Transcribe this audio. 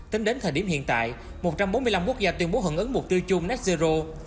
tính đến thời điểm hiện tại một trăm bốn mươi năm quốc gia tuyên bố hận ứng mục tiêu chung net zero